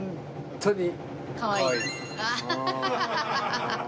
アハハハハ。